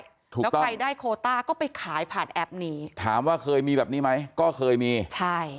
ถูกแล้วใครได้โคต้าก็ไปขายผ่านแอปนี้ถามว่าเคยมีแบบนี้ไหมก็เคยมีใช่